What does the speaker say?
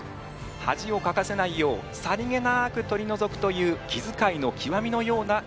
恥をかかせないようさりげなく取りのぞくという気づかいの極みのようなこの競技。